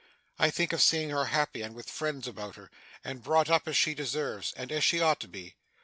I think of seeing her happy, and with friends about her, and brought up as she deserves, and as she ought to be.